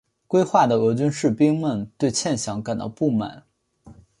归化的俄军士兵们对欠饷感到不满。